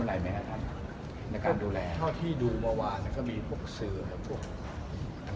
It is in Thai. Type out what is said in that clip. หลายนะครับในการดูแลเพราะที่ดูเมื่อวานก็มีพวกซื้อปกติ